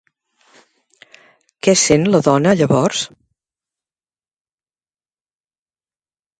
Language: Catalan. Què sent la dona llavors?